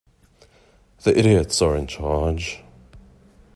The idiots are in charge.